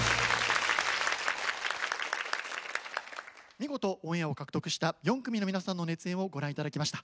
見事オンエアを獲得した４組の皆さんの熱演をご覧頂きました。